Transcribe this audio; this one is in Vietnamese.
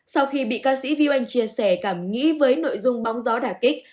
sau khi bị ca sĩ viu anh chia sẻ cảm nghĩ với nội dung bóng gió đà kích